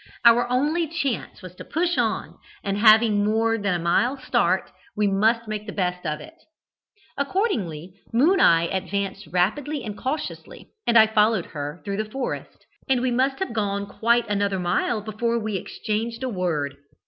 Our only chance was to push on, and, having more than a mile start, we must make the best of it. Accordingly,'Moon eye' advanced rapidly and cautiously, and I followed her, through the forest, and we must have gone quite another mile before we exchanged a word.